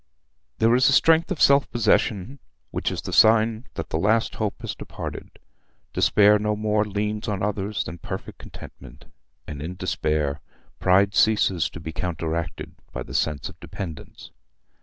There is a strength of self possession which is the sign that the last hope has departed. Despair no more leans on others than perfect contentment, and in despair pride ceases to be counteracted by the sense of dependence.